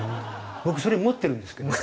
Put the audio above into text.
僕それ持ってるんですけど。